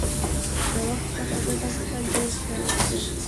• د وخت څخه ګټه اخیستل ډېر شول.